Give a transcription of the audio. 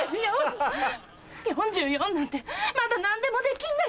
４４なんてまだ何でもできんだよ。